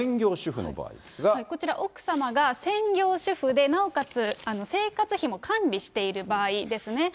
こちら奥様が専業主婦で、なおかつ生活費も管理している場合ですね。